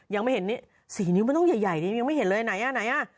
ยังไม่เห็นนี่๔นิ้วมันต้องใหญ่นี่ยังไม่เห็นเลยไหนอ่ะไหนอ่ะ